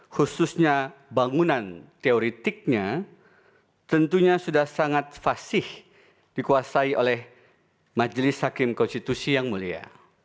khususnya bangunan teoretiknya tentunya sudah sangat fasih dikuasai oleh majelis hakim konstitusi yang mulia